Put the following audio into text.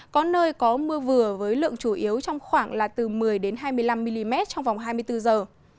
có nơi có mưa vừa với lượng chủ yếu trong khoảng là từ một mươi hai mươi năm mm trong vòng hai mươi bốn giờ